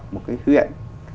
một cái huyện